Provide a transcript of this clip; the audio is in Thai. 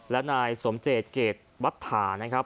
และนายสมเจดเกียจวัฒธานะครับ